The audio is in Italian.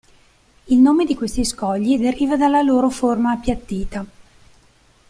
Il nome di questi scogli deriva dalla loro forma appiattita.